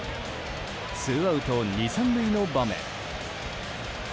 ツーアウト２、３塁の場面。